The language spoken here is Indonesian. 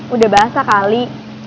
udah basah kali